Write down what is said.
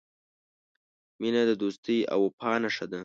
• مینه د دوستۍ او وفا نښه ده.